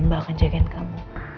mbak akan jagain kamu